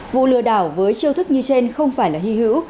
vụ lừa đảo với chiêu thức như trên không phải là hy hữu